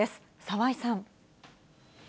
澤井さん。